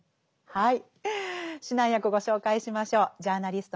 はい。